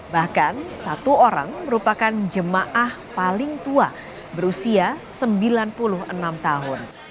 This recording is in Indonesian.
bahkan satu orang merupakan jemaah paling tua berusia sembilan puluh enam tahun